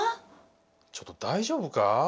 ちょっと大丈夫か？